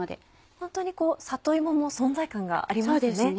ホントに里芋も存在感がありますね。